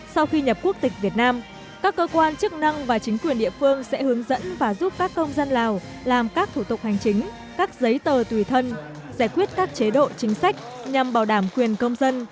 sau khi nhập quốc tịch việt nam các cơ quan chức năng và chính quyền địa phương sẽ hướng dẫn và giúp các công dân lào làm các thủ tục hành chính các giấy tờ tùy thân giải quyết các chế độ chính sách nhằm bảo đảm quyền công dân